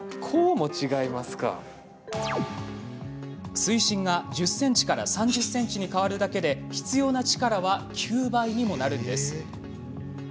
水深が１０ｃｍから３０ｃｍに変わるだけで必要な力は９倍にもなるんです。